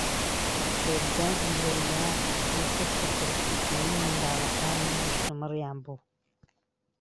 شێرزاد و لەیلا لەسەر سەرپەرشتیکردنی منداڵەکانیان مشتومڕیان بوو.